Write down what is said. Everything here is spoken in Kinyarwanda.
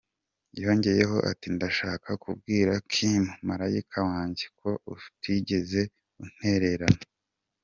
Yongeyeho ati “Ndashaka kubwira Kim, marayika wanjye, ko utigeze untererana.